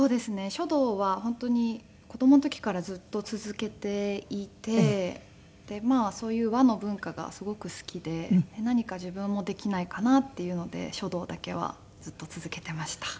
書道は本当に子供の時からずっと続けていてそういう和の文化がすごく好きで何か自分もできないかなっていうので書道だけはずっと続けていました。